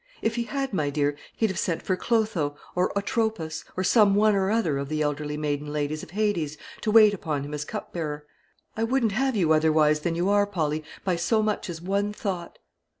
If he had, my dear, he'd have sent for Clotho, or Atropos, or some one or other of the elderly maiden ladies of Hades, to wait upon him as cupbearer. I wouldn't have you otherwise than you are, Polly, by so much as one thought."